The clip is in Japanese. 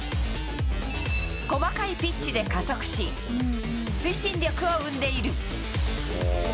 細かいピッチで加速し、推進力を生んでいる。